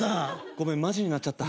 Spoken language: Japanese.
ごめんマジになっちゃった。